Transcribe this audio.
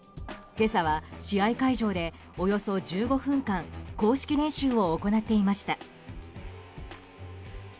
今朝は試合会場でおよそ１５分間公式練習を行っていました。